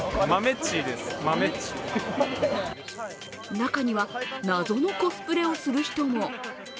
中には謎のコスプレをする人も。